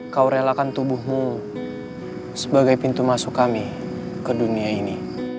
kau relakan tubuhmu sebagai pintu masuk kami ke dunia ini